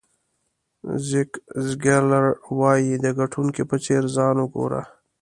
زیګ زیګلر وایي د ګټونکي په څېر ځان وګوره.